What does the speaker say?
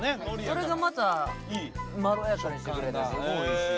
それがまたまろやかにしてくれてすごいおいしい。